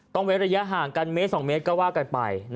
เว้นระยะห่างกันเมตร๒เมตรก็ว่ากันไป